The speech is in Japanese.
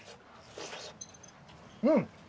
うん。